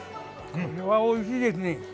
これはおいしいですね。